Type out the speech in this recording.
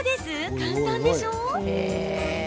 簡単でしょ？